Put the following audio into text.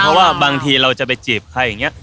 เพราะว่าบางทีเราจะไปจีบใครอย่างนี้